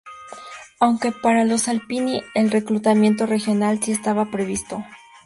Aunque para los Alpini el reclutamiento regional sí estaba previsto.